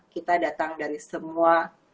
kita datang dari semua